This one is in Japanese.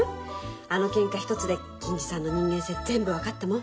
あのけんか一つで銀次さんの人間性全部分かったもん。